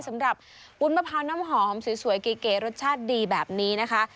วุ้นมะพร้าวน้ำหอมสวยเก๋รสชาติดีแบบนี้นะคะ